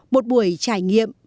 một buổi trải nghiệm